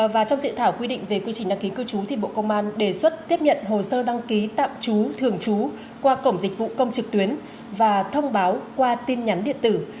và trong dự thảo quy định về quy trình đăng ký cư trú bộ công an đề xuất tiếp nhận hồ sơ đăng ký tạm trú thường trú qua cổng dịch vụ công trực tuyến và thông báo qua tin nhắn điện tử